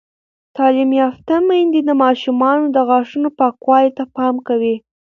تعلیم یافته میندې د ماشومانو د غاښونو پاکوالي ته پام کوي.